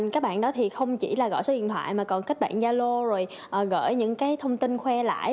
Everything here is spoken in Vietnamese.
các bạn đó không chỉ gọi số điện thoại mà còn kết bạn gia lô gửi những thông tin khoe lại